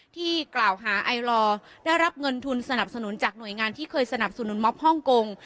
ที่กล่าวหาไอลอร์ได้รับเงินทุนสนับสนุนจากหน่วยงานที่เคยสนับสนุนมอบฮ่องกง